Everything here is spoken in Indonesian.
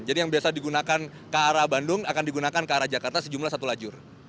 jadi yang biasa digunakan ke arah bandung akan digunakan ke arah jakarta sejumlah satu lajur